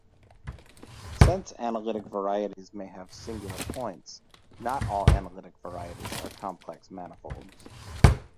Since analytic varieties may have singular points, not all analytic varieties are complex manifolds.